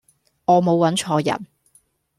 我無搵錯人